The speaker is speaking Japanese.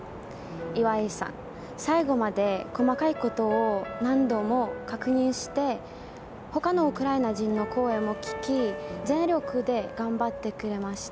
岩井さん、最後まで細かいことを何度も確認して他のウクライナ人の声も聞き全力で頑張ってくれました。